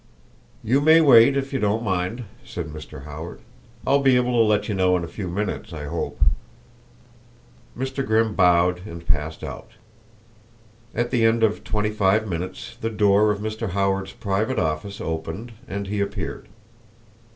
"You may wait if you don't mind," said Mr. Howard. "I'll be able to let you know in a few minutes, I hope." Mr. Grimm bowed and passed out. At the end of twenty five minutes the door of Mr. Howard's private office opened and he appeared.